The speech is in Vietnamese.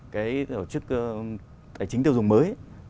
cái tổ chức tài chính tiêu dùng mới